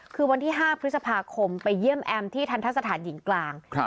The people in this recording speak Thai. คือวันที่๕พฤษภาคมไปเยี่ยมแอมที่ทันทะสถานหญิงกลาง